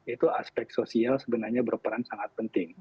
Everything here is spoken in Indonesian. itu aspek sosial sebenarnya berperan sangat penting